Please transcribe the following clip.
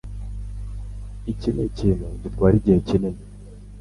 Iki nikintu gitwara igihe kinini.